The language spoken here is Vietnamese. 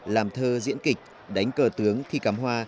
làm thơ diễn kịch đánh cờ tướng thi cắm hoa